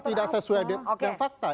tidak sesuai dengan fakta